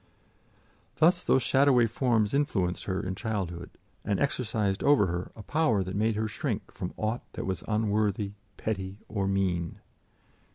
Thus those shadowy forms influenced her in childhood, and exercised over her a power that made her shrink from aught that was unworthy, petty or mean.